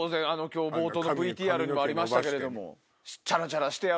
今日冒頭のＶＴＲにもありましたけれども。